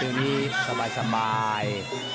ตอนนี้สบาย